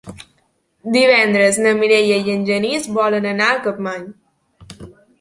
Divendres na Mireia i en Genís volen anar a Capmany.